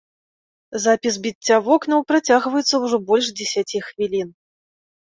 Запіс біцця вокнаў працягваецца ўжо больш дзесяці хвілін.